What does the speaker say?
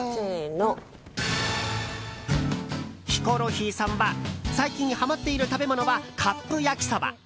ヒコロヒーさんは最近はまっている食べ物はカップ焼きそば。